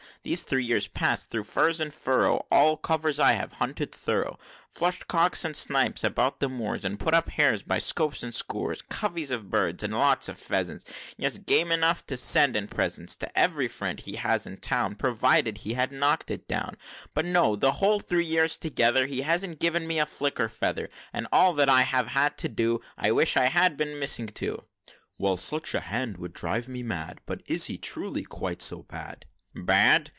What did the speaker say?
These three years past, thro' furze and furrow, All covers I have hunted thorough; Flush'd cocks and snipes about the moors; And put up hares by scores and scores; Coveys of birds, and lots of pheasants; Yes, game enough to send in presents To ev'ry friend he has in town, Provided he had knock'd it down: But no the whole three years together, He has not giv'n me flick or feather For all that I have had to do I wish I had been missing too!" "Well, such a hand would drive me mad; But is he truly quite so bad?" "Bad!